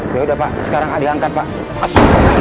yaudah pak sekarang diangkat pak